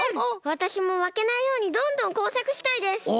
わたしもまけないようにどんどんこうさくしたいです！